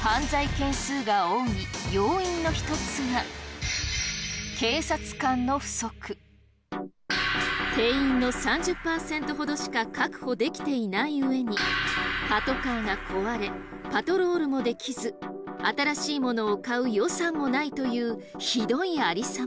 犯罪件数が多い要因の一つが定員の３０％ほどしか確保できていない上にパトカーが壊れパトロールもできず新しいものを買う予算もないというひどいありさま。